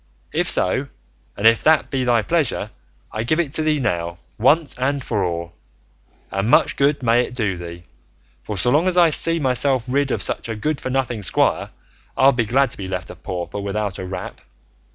If so, and if that be thy pleasure, I give it to thee now, once and for all, and much good may it do thee, for so long as I see myself rid of such a good for nothing squire I'll be glad to be left a pauper without a rap.